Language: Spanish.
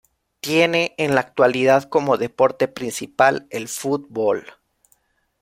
Tiene en la actualidad como deporte principal el fútbol.